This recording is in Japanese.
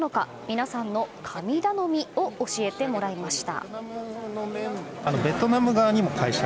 皆さんの神頼みを教えてもらいました。